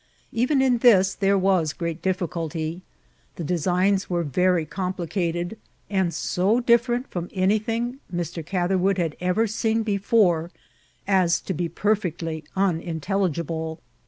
Even in this there was great difficulty. The designs were very complicated, and so different firom anything Mr. Catherwood had ever seen before as to be perfectly unintelligible.